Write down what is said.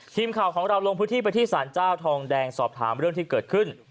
ทีมข่าวของเราลงพื้นที่ไปที่สารเจ้าทองแดงสอบถามเรื่องที่เกิดขึ้น